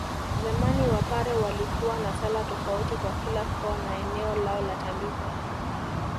Zamani Wapare walikuwa na sala tofauti kwa kila koo na eneo lao la tambiko